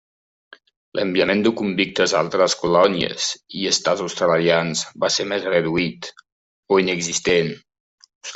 L'enviament de convictes a altres colònies i estats australians va ser més reduït o inexistent.